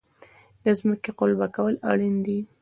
د ځمکې قلبه کول اړین دي.